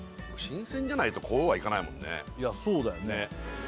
新鮮じゃないとこうはいかないもんねいやそうだよね